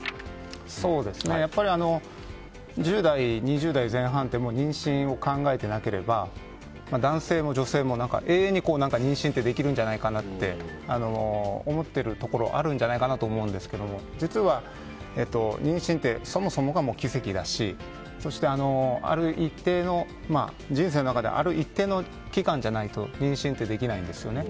やっぱり１０代、２０代前半って妊娠を考えてなければ男性も女性も永遠に妊娠ってできるんじゃないかと思っているところあるんじゃないかなと思うんですけど実は妊娠ってそもそもが奇跡だしそして、人生の中である一定の期間じゃないと妊娠ってできないんですよね。